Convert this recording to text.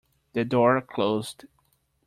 The door closed.